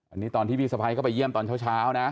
อันนี้ตอนที่พี่สะพ้ายเข้าไปเยี่ยมตอนเช้านะ